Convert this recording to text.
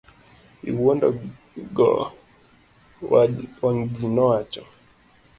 Iwuondo go wang' ji, nowacho.